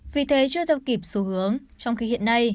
vì thế chưa theo kịp xu hướng trong khi hiện nay